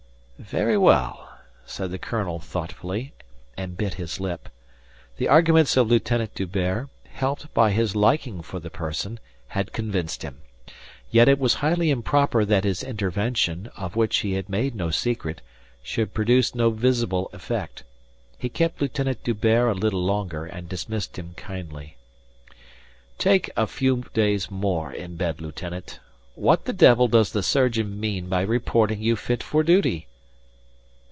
"Very well," said the colonel thoughtfully, and bit his lip. The arguments of Lieutenant D'Hubert, helped by his liking for the person, had convinced him. Yet it was highly improper that his intervention, of which he had made no secret, should produce no visible effect. He kept Lieutenant D'Hubert a little longer and dismissed him kindly. "Take a few days more in bed, lieutenant. What the devil does the surgeon mean by reporting you fit for duty?"